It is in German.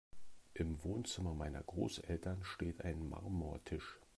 Im Wohnzimmer meiner Großeltern steht ein Marmortisch.